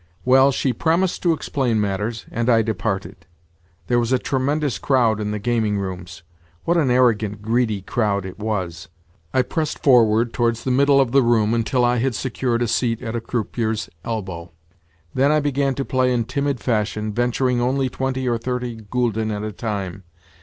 Well, she promised to explain matters, and I departed. There was a tremendous crowd in the gaming rooms. What an arrogant, greedy crowd it was! I pressed forward towards the middle of the room until I had secured a seat at a croupier's elbow. Then I began to play in timid fashion, venturing only twenty or thirty gülden at a time.